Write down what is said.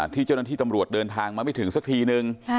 ที่เจ้าหน้าที่ตำรวจเดินทางมาไม่ถึงสักทีนึง